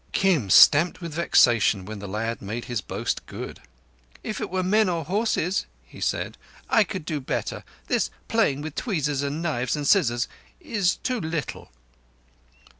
Kim stamped with vexation when the lad made his boast good. "If it were men—or horses," he said, "I could do better. This playing with tweezers and knives and scissors is too little."